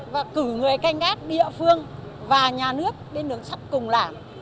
và cử người canh gác đi ở phương và nhà nước bên đường sắt cùng làm